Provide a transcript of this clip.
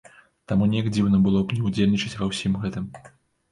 Таму неяк дзіўна было б мне ўдзельнічаць ва ўсім гэтым.